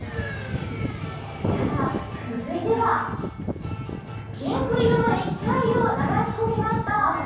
続いては、ピンク色の液体を流し込みました。